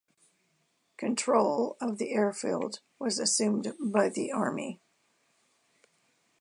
Control of the airfield was assumed by The Army.